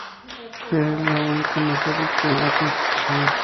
Era la única mujer en el Tribunal Constitucional.